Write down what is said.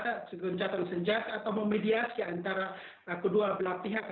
atau memediasi antara kedua belah pihak